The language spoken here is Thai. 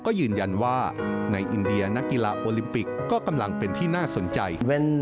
ก็ยืนยันว่าในอินเดียนักกีฬาโอลิมปิกก็กำลังเป็นที่น่าสนใจ